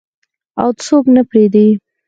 او څوک نه پریږدي.